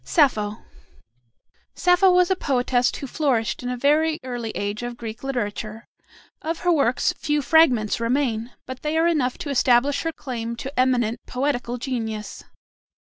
SAPPHO Sappho was a poetess who flourished in a very early age of Greek literature. Of her works few fragments remain, but they are enough to establish her claim to eminent poetical genius.